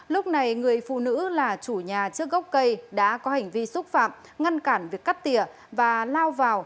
lúc này người phụ nữ là chủ nhà trước gốc cây đã có hành vi xúc phạm ngăn cản việc cắt tỉa và lao vào